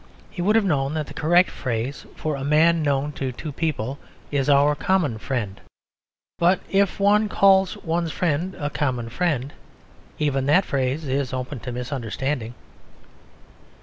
He would have known that the correct phrase for a man known to two people is "our common friend." But if one calls one's friend a common friend, even that phrase is open to misunderstanding.